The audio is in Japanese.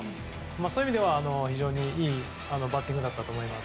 そういう意味では、いいバッティングだったと思います。